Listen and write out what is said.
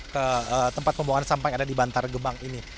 ke tempat pembuangan sampah yang ada di bantar gebang ini